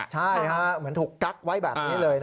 ใช่เหมือนถูกกั๊กไว้แบบนี้เลย